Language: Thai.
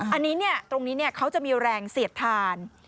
อันนี้ตรงนี้เขาจะมีแรงเสียดทาน